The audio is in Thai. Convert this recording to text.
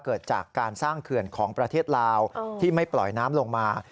เกิดจากการสร้างเขื่อนของประเทศลาวที่ไม่ปล่อยน้ำลงมา